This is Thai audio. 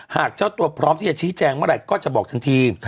เจ้าตัวพร้อมที่จะชี้แจงเมื่อไหร่ก็จะบอกทันที